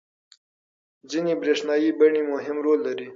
ځینې برېښنايي بڼې مهم رول لري.